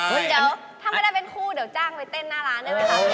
เดี๋ยวถ้าไม่ได้เป็นคู่เดี๋ยวจ้างไปเต้นหน้าร้านได้ไหมคะ